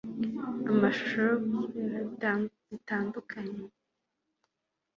amashusho yo guswera zitandukanye